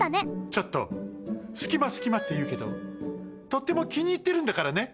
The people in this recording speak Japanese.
ちょっとすきますきまっていうけどとってもきにいってるんだからね。